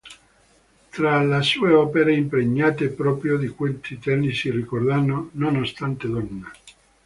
Tra le sue opere, impregnate proprio di questi temi, si ricordano "Nonostante Donna.